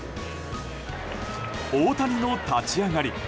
大谷の立ち上がり。